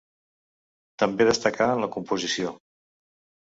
També destacà en la composició.